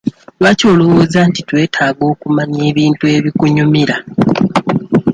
Lwaki olowooza nti twetaaga okumanya ebintu ebikunyumira?